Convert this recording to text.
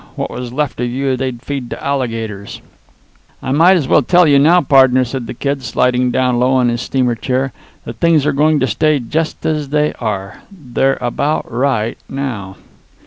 What was left of you they'd feed to alligators." "I might just as well tell you now, pardner," said the Kid, sliding down low on his steamer chair, "that things are going to stay just as they are. They're about right now."